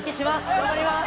頑張ります。